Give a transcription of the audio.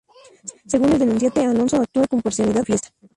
Según el denunciante Alonso actúa con parcialidad manifiesta.